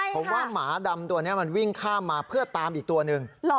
ผมว่าหมาดำตัวนี้มันวิ่งข้ามมาเพื่อตามอีกตัวหนึ่ง